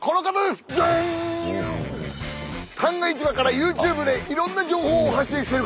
旦過市場からＹｏｕＴｕｂｅでいろんな情報を発信してる方。